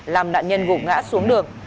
làm nạn nhân gục ngã xuống đường